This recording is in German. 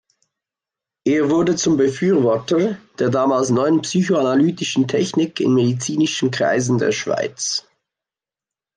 Er wurde zum Befürworter der damals neuen psychoanalytischen Technik in medizinischen Kreisen der Schweiz.